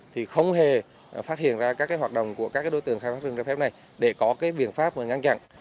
thì không hề phát hiện ra các hoạt động của các đối tượng khai thác rừng trái phép này để có cái biện pháp ngăn chặn